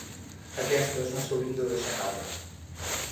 Aquestes no s’haurien de deixar caure.